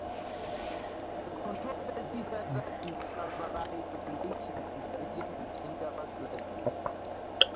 The controversy further destabilized relations in the region to dangerous levels.